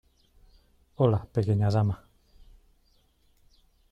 Hola, pequeña dama.